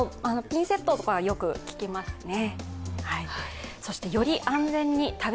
ピンセットとかよく聞きますね。